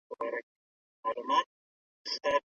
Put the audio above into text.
دا د سولې رنګ دی.